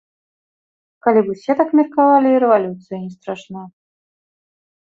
Калі б усе так меркавалі, і рэвалюцыя не страшна.